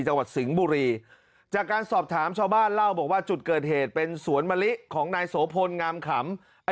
จังหวัดสิงห์บุรีจากการสอบถามชาวบ้านเล่าบอกว่าจุดเกิดเหตุเป็นสวนมะลิของนายโสพลงามขำ